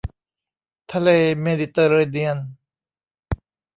ทะเลเมดิเตอร์เรเนียน